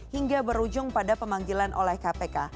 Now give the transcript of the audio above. hingga berujung pada pemanggilan oleh kpk